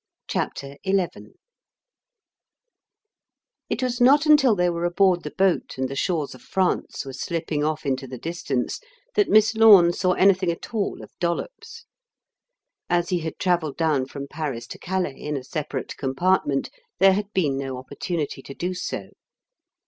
CHAPTER XI It was not until they were aboard the boat and the shores of France were slipping off into the distance that Miss Lorne saw anything at all of Dollops. As he had travelled down from Paris to Calais in a separate compartment there had been no opportunity to do so.